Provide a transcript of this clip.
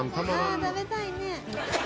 あっ食べたいね。